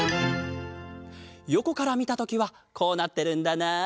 よこからみたときはこうなってるんだなあ。